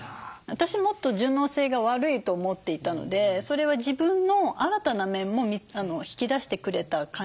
私もっと順応性が悪いと思っていたのでそれは自分の新たな面も引き出してくれた感じがします。